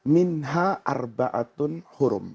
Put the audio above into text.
minha arba'atun hurm